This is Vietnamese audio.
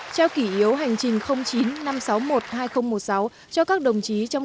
trao kỷ yếu hành trình không